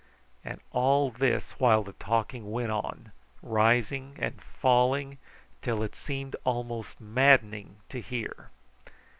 And all this while the talking went on, rising and falling till it seemed almost maddening to hear.